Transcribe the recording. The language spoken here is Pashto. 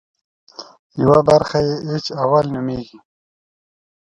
یوه برخه یې اېچ اول نومېږي.